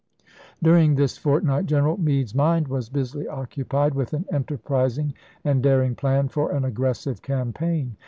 Nov., 1863. During this fortnight General Meade's mind was busily occupied with an enterprising and daring plan for an aggressive campaign.